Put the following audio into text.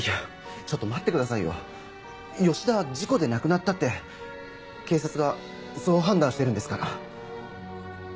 ちょっと待ってくださいよ吉田は事故で亡くなったって警察がそう判断してるんですから。